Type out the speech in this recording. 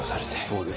そうです。